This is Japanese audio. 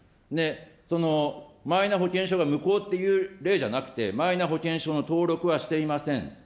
そのマイナ保険証が無効っていう例じゃなくて、マイナ保険証の登録はしていません。